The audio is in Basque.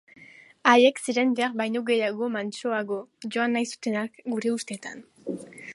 Haiek ziren behar baino mantsoago joan nahi zutenak, gure ustetan.